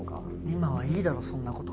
今はいいだろそんな事。